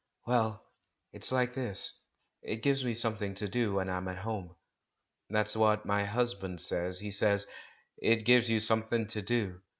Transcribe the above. '* "Well, it's like this, it gives me something to do when I'm at home. That's what my husband says; he says, 'It gives you something to do.'